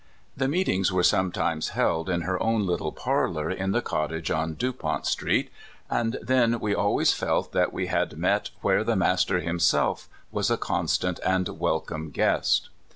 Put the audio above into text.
The meetings were sometimes held in her own little parlor in the cottage on Dupont street, and then we always felt that we had met where the Master himself was a constant and wel come guest.